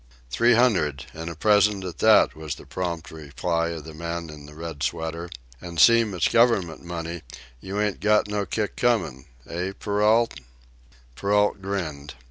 "Three hundred, and a present at that," was the prompt reply of the man in the red sweater. "And seem' it's government money, you ain't got no kick coming, eh, Perrault?" Perrault grinned.